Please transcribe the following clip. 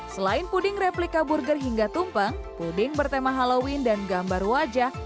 selain puding replika burger hingga tumpeng puding bertema halloween dan gambar wajah